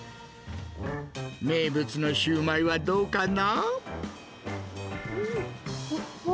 名物のシューマイはどうかな？